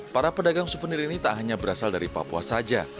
para pedagang souvenir ini tak hanya berasal dari papua saja